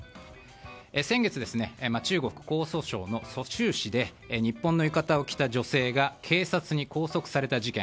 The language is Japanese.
先月、中国・江蘇省の蘇州市で日本の浴衣を着た女性が警察に拘束された事件。